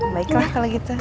baiklah kalau gitu